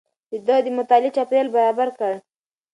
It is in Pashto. ده د مطالعې چاپېريال برابر کړ.